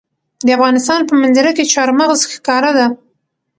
د افغانستان په منظره کې چار مغز ښکاره ده.